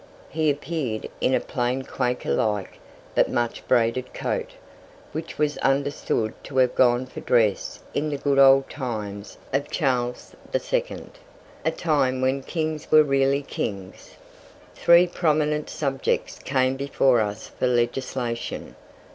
He appeared in a plain quaker like but much braided coat, which was understood to have gone for dress in the good old times of Charles II. a time when kings were really kings. Three prominent subjects came before us for legislation.